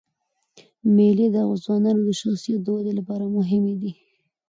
مېلې د ځوانانو د شخصیت د ودي له پاره مهمي دي.